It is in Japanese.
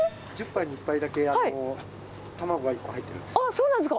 １０杯に１杯だけ卵が１個入ってるんです。